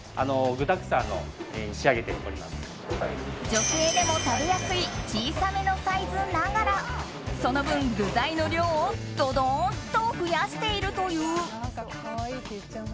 女性でも食べやすい小さめのサイズながらその分、具材の量をドドーンと増やしているという。